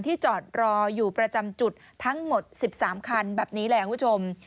จอดรออยู่ประจำจุดทั้งหมด๑๓คันแบบนี้แหละคุณผู้ชม